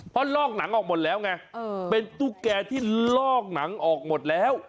เพราะลอกหนังออกหมดแล้วไงเป็นตุ๊กแกที่ลอกหนังออกหมดแล้ว